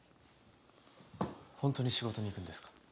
ホントに仕事に行くんですか？